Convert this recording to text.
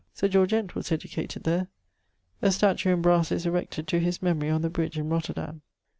Sir George Ent was educated there. A statue in brasse is erected to his memory on the bridge in Roterdam.